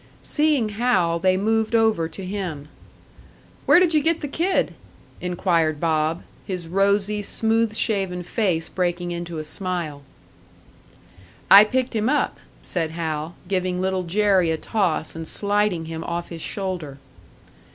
Seeing Hal, they moved over to him. "Where did you get the kid?" inquired Bob, his rosy, smooth shaven face breaking into a smile. "I picked him up," said Hal, giving Little Jerry a toss and sliding him off his shoulder.